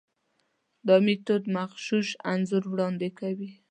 دا میتود مغشوش انځور وړاندې کوي.